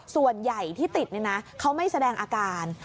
ส่วนใหญ่ที่ติดเขาไม่แสดงอาการ